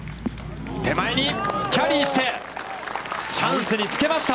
手前にキャリーして、チャンスにつけました。